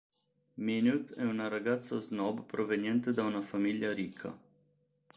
Minute è una ragazza snob proveniente da una famiglia ricca.